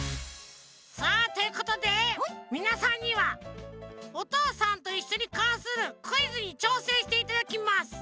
さあということでみなさんには「おとうさんといっしょ」にかんするクイズにちょうせんしていただきます。